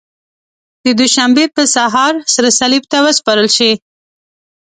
د دوشنبې په سهار سره صلیب ته وسپارل شي.